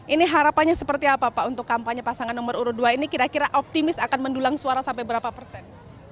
ini harapannya seperti apa pak untuk kampanye pasangan nomor urut dua ini kira kira optimis akan mendulang suara sampai berapa persen